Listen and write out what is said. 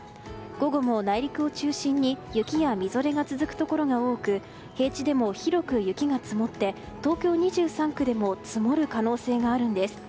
午後も内陸を中心に雪やみぞれが続くところが多く平地でも広く雪が積もって東京２３区でも積もる可能性があるんです。